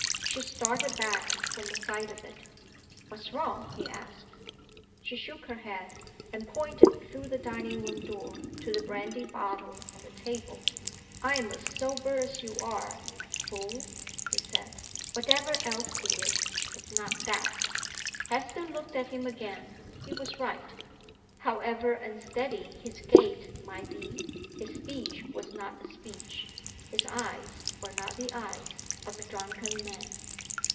She started back from the sight of it. "What's wrong?" he asked. She shook her head; and pointed through the dining room door to the brandy bottle on the table. "I'm as sober as you are, you fool!" he said. "Whatever else it is, it's not that." Hester looked at him again. He was right. However unsteady his gait might be, his speech was not the speech, his eyes were not the eyes, of a drunken man.